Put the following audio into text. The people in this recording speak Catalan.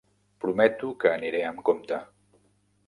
Prometo que aniré amb compte!